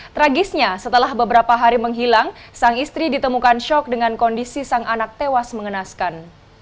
tragisnya setelah beberapa hari menghilang sang istri ditemukan syok dengan kondisi sang anak tewas mengenaskan